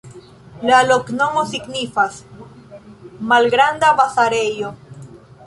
La loknomo signifas: malgranda-bazarejo.